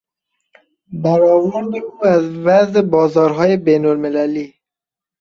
برآورد او از وضع بازارهای بینالمللی